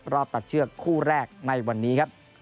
ตัดเชือกคู่แรกในวันนี้ครับ